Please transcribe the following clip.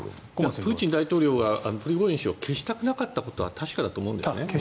プーチン大統領はプリゴジン氏を消したくなかったのは間違いないと思うんですね。